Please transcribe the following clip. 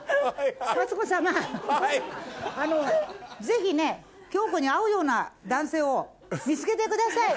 ぜひね京子に合うような男性を見つけてください。